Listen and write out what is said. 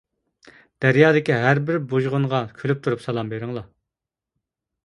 دەريادىكى ھەربىر بۇژغۇنغا كۈلۈپ تۇرۇپ سالام بېرىڭلار!